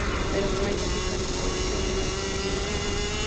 Pero no hay lógica ni cohesión en lo que escriben.